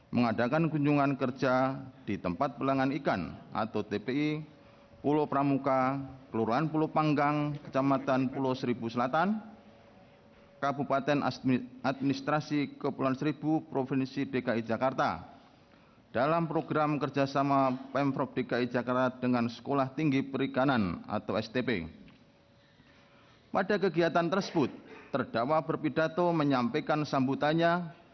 menimbang bahwa barang bukti yang diajukan oleh penasihat hukumnya